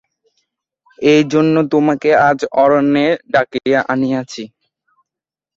এইজন্য তোমাকে আজ অরণ্যে ডাকিয়া আনিয়াছি।